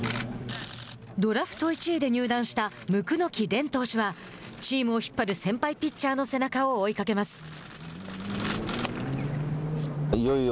ドラフト１位で入団した椋木蓮投手はチームを引っ張る先輩ピッチャーの背中を追いかけます。